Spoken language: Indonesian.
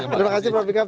terima kasih prof bikam